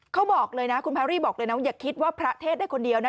เขาบอกเลยนะคุณแพรรี่บอกเลยนะว่าอย่าคิดว่าพระเทศได้คนเดียวนะ